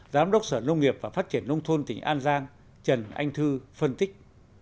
giám đốc sở nông nghiệp và phát triển nông thôn tỉnh an giang trần anh thư phân tích